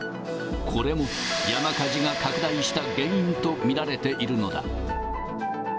これも、山火事が拡大した原因と見られているのだ。